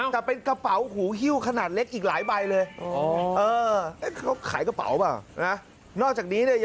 แต่เป็นกระเป๋าหูฮิ้วขนาดเล็กอีกหลายใบเลย